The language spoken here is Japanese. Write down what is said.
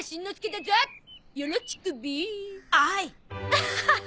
アハハッ！